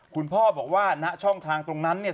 คุณพ่อบอกว่าณช่องทางตรงนั้นเนี่ย